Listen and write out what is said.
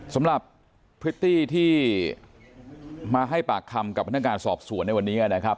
พริตตี้ที่มาให้ปากคำกับพนักงานสอบสวนในวันนี้นะครับ